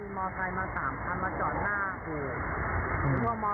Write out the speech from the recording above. มีขับรถที่พอกมา